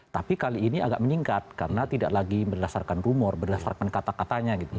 tapi kali ini agak meningkat karena tidak lagi berdasarkan rumor berdasarkan kata katanya gitu